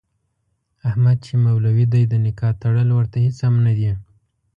احمد چې مولوي دی د نکاح تړل ورته هېڅ هم نه دي.